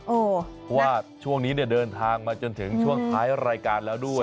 เพราะว่าช่วงนี้เนี่ยเดินทางมาจนถึงช่วงท้ายรายการแล้วด้วย